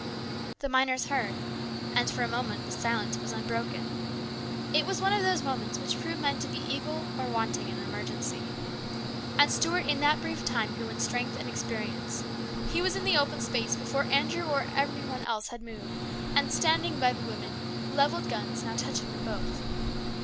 The miners heard, and for a moment the silence was unbroken. It was one of those moments which prove men to be equal or wanting in an emergency. And Stuart in that brief time grew in strength and experience. He was in the open space before Andrew or any one else moved, and standing by the woman, the levelled guns now touching them both.